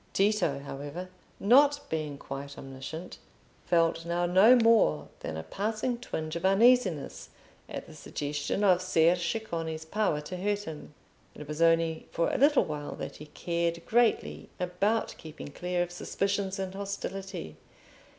Tito, however, not being quite omniscient, felt now no more than a passing twinge of uneasiness at the suggestion of Ser Ceccone's power to hurt him. It was only for a little while that he cared greatly about keeping clear of suspicions and hostility.